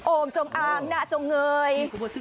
โอ้มจงอ่างหน้าจงเงย